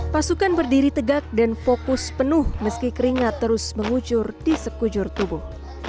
pasukan berdiri tegak dan fokus penuh meski keringat terus mengucur di sekujur tubuh